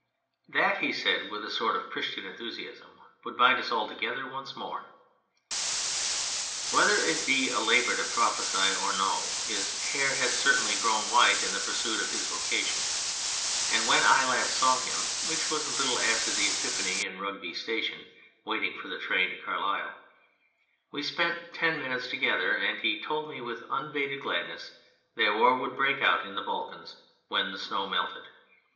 68 On a Prophet " That," he said, with a sort of Christian enthusiasm, "would bind us all together once more !" Whether it be a labour to prophesy or no, his hair had certainly grown white in the pursuit of his vocation, and when I last saw him (which was a little after the Epiphany in Rugby Station, waiting for the train to Carlisle) we spent ten minutes to gether, and he told me with unabated gladness that war would break out in the Balkans " when the snow melted."